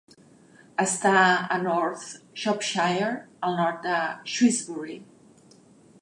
Està a North Shropshire, al nord de Shrewsbury.